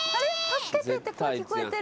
「助けて」って声聞こえてる。